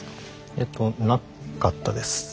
えっとなかったです。